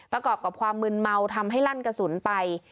ประกอบกับความมืนเมาทำให้ลั่นกระสุนไป